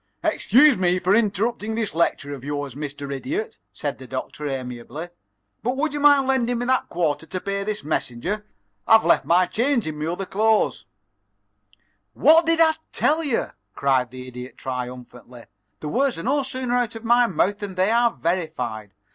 "Excuse me for interrupting this lecture of yours, Mr. Idiot," said the Doctor, amiably, "but would you mind lending me that quarter to pay this messenger? I've left my change in my other clothes." "What did I tell you?" cried the Idiot, triumphantly. "The words are no sooner out of my mouth than they are verified.